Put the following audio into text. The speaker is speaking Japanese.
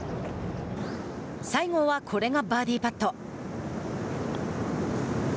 西郷はこれがバーディーパット。